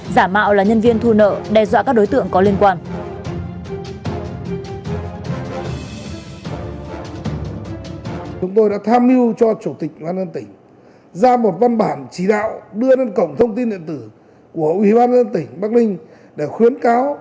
giả mạo là nhân viên thu nợ đe dọa các đối tượng có liên quan